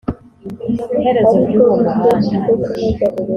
herezo ry'uwo muhanda